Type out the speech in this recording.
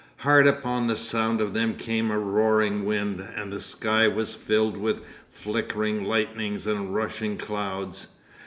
'Hard upon the sound of them came a roaring wind, and the sky was filled with flickering lightnings and rushing clouds....